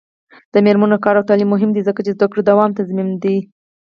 د میرمنو کار او تعلیم مهم دی ځکه چې زدکړو دوام تضمین دی.